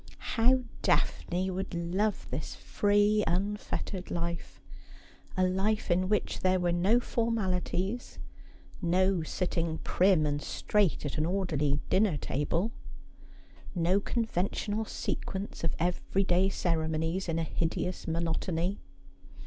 How Daphne would love this free unfettered life : a life in which there were no formalities ; no sitting prim and straight at an orderly dinner table ; no conventional sequence of every day ceremonies in a hideous monotony.